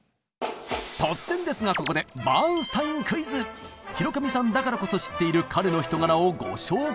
突然ですがここで広上さんだからこそ知っている彼の人柄をご紹介！